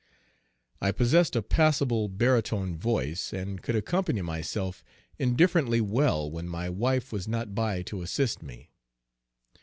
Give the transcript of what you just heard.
I possessed a passable baritone voice, and could accompany myself indifferently well when my wife was not by to assist me.